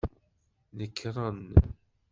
Nekren.